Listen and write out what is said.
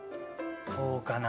そうかな？